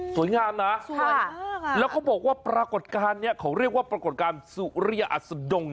สวยงามนะสวยมากแล้วเขาบอกว่าปรากฏการณ์นี้เขาเรียกว่าปรากฏการณ์สุริยอัศดง